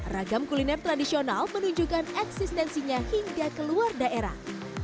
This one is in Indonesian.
ragam kuliner tradisional menunjukkan eksistensinya hingga ke luar daerah